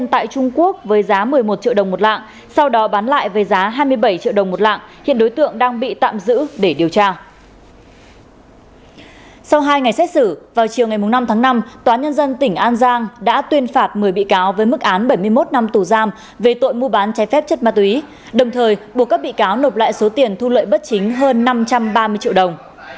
trước ngày năm tháng năm tòa nhân dân tỉnh an giang đã tuyên phạt một mươi bị cáo với mức án bảy mươi một năm tù giam về tội mua bán trái phép chất ma túy đồng thời buộc các bị cáo nộp lại số tiền thu lợi bất chính hơn năm trăm ba mươi triệu đồng